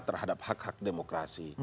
terhadap hak hak demokrasi